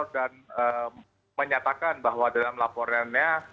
dan menyatakan bahwa dalam laporannya